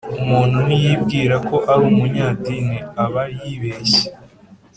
Umuntu niyibwira ko ari umunyadini ab yibeshye